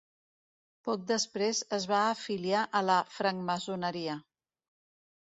Poc després es va afiliar a la francmaçoneria.